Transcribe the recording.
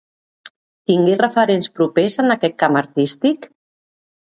Tingué referents propers en aquest camp artístic?